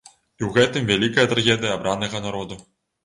І ў гэтым вялікая трагедыя абранага народу.